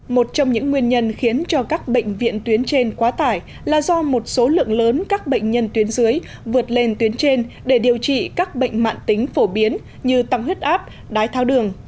một trong những nguyên nhân khiến cho các bệnh viện tuyến trên quá tải là do một số lượng lớn các bệnh nhân tuyến dưới vượt lên tuyến trên để điều trị các bệnh mạng tính phổ biến như tăng huyết áp đái tháo đường